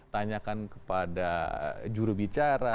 tanyakan kepada jurubicara